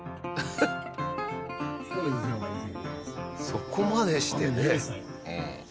そこまでしてね。